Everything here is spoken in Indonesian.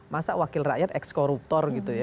masa wakil rakyat ex koruptor gitu ya